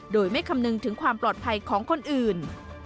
โดยไม่คำนึงถึงความปลอดภัยของคนอื่น